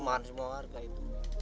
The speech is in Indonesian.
rumahan semua warga itu